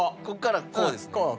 ここからこうですね？